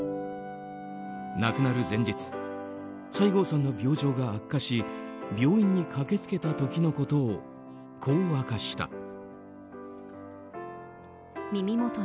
亡くなる前日西郷さんの病状が悪化し病院に駆け付けた時のことをこう明かした。